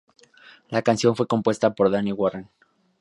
La canción fue compuesta por Diane Warren.